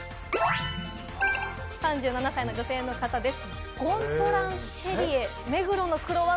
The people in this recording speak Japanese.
３７歳・女性の方です。